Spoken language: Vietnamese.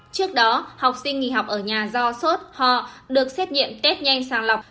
trước đó học sinh nghỉ học ở nhà do sốt ho được xét nghiệm test nhanh sàng lọc